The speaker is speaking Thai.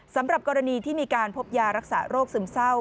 สำหรับกรณีที่มีการพบยารักษาโรคซึมเศร้า